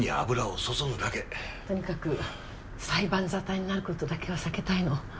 とにかく裁判沙汰になる事だけは避けたいの。